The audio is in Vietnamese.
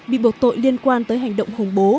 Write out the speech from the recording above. bị buộc tội liên quan tới hành động khủng bố